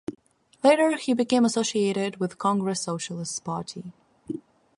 Later he became associated with Congress Socialist Party.